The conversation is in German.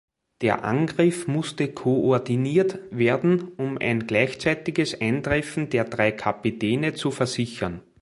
Der Angriff musste koordiniert werden um ein gleichzeitiges Eintreffen der drei Capitaine zu versichern.